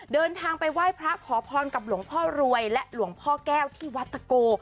เดินทางไปไหว้พระขอพรกับหลวงพ่อรวยและหลวงพ่อแก้วที่วัดตะโก